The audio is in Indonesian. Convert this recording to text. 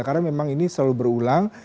karena memang ini selalu berulang